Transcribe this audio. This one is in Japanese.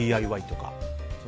ＤＩＹとか。